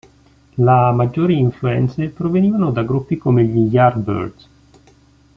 La maggiori influenze provenivano da gruppi come gli Yardbirds.